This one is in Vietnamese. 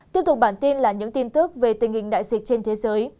tiếp tục bản tin là những tin tức về tình hình đại dịch trên thế giới